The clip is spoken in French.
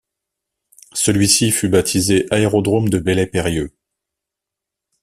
Celui-ci fut baptisé Aérodrome de Belley-Peyrieu.